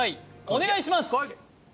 お願いします